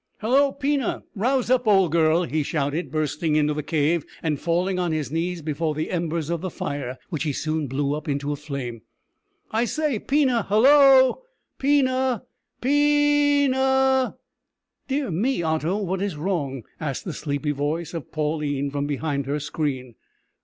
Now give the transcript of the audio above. "Hallo! Pina! rouse up, old girl," he shouted, bursting into the cave, and falling on his knees before the embers of the fire, which he soon blew up into a flame. "I say, Pina! hallo! Pina! Pi i i i na!" "Dear me, Otto, what is wrong?" asked the sleepy voice of Pauline from behind her screen.